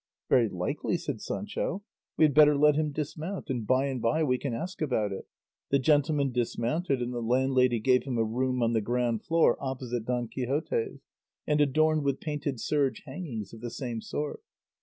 "Very likely," said Sancho; "we had better let him dismount, and by and by we can ask about it." The gentleman dismounted, and the landlady gave him a room on the ground floor opposite Don Quixote's and adorned with painted serge hangings of the same sort.